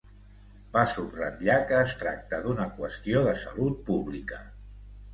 Va subratllar que es tracta d’una qüestió de salut pública.